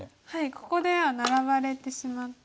ここではナラばれてしまって。